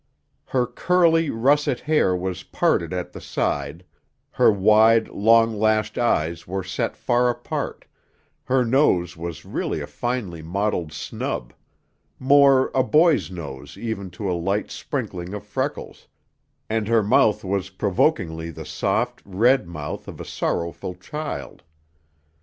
Her curly, russet hair was parted at the side, her wide, long lashed eyes were set far apart, her nose was really a finely modeled snub, more, a boy's nose even to a light sprinkling of freckles, and her mouth was provokingly the soft, red mouth of a sorrowful child.